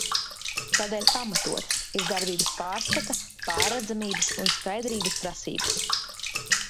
Tādēļ pamatotas ir darbības pārskata, pārredzamības un skaidrības prasības.